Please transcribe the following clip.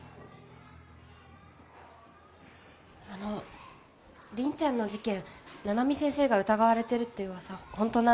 あの凛ちゃんの事件七海先生が疑われてるって噂本当なんですか？